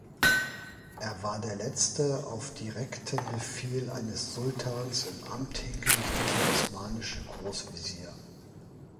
Er war der letzte auf direkten Befehl eines Sultans im Amt hingerichtete osmanische Großwesir.